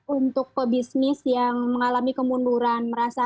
untuk pebisnis yang mengalami kemunduran